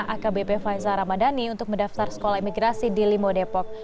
akbp faiza ramadhani untuk mendaftar sekolah imigrasi di limo depok